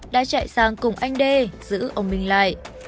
đã chạy sang cùng anh đê giữ ông minh lại